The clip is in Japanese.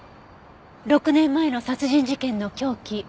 ６年前の殺人事件の凶器